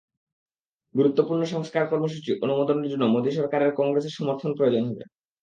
গুরুত্বপূর্ণ সংস্কার কর্মসূচি অনুমোদনের জন্য মোদি সরকারের কংগ্রেসের সমর্থন প্রয়োজন হবে।